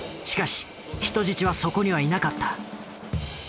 しかし人質はそこにはいなかった。